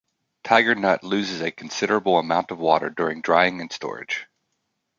Tiger nut loses a considerable amount of water during drying and storage.